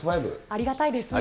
ありがたいですね。